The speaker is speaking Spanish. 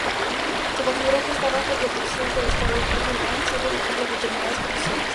Se considera que están bajo protección del Estado musulmán, siempre que cumplan determinadas condiciones.